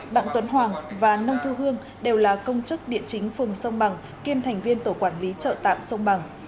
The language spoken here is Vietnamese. đặng tuấn hoàng và nông thu hương đều là công chức địa chính phường sông bằng kiêm thành viên tổ quản lý chợ tạm sông bằng